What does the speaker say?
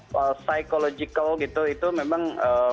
psychological itu memang